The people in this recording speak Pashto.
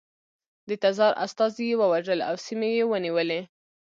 د تزار استازي یې ووژل او سیمې یې ونیولې.